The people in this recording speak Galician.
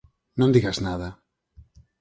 Non digas nada.